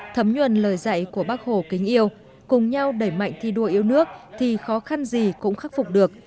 thấm nhuần lời dạy của bác hồ kính yêu cùng nhau đẩy mạnh thi đua yêu nước thì khó khăn gì cũng khắc phục được